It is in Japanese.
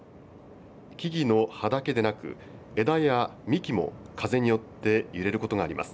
木々の葉でなく枝や幹も風によって揺れることがあります。